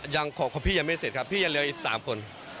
ของพี่ยังไม่เสร็จครับพี่ยังเหลืออีก๓คน